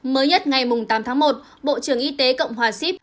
mới nhất ngày tám tháng một bộ trưởng y tế cộng hòa sip